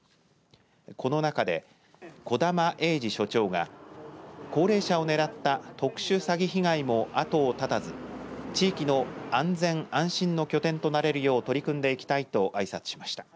この中で小玉英次署長が高齢者を狙った特殊詐欺被害もあとを絶たず地域の安全安心の拠点となれるよう取り組んでいきたいとあいさつしました。